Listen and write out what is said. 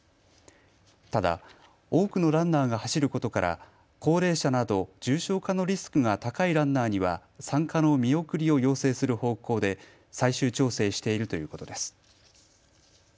ただ、多くのランナーが走ることから高齢者など、重症化のリスクが高いランナーには参加の見送りを要請する方向で最終調整しているということです。